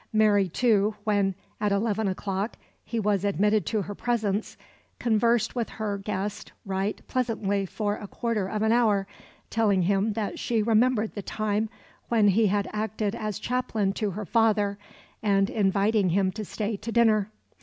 Mary too, when, at eleven o'clock, he was admitted to her presence, conversed with her guest right pleasantly for a quarter of an hour, telling him that she remembered the time when he had acted as chaplain to her father, and inviting him to stay to dinner.